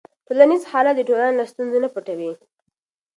ټولنیز حالت د ټولنې له ستونزو نه پټوي.